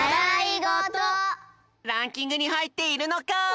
ランキングにはいっているのか！？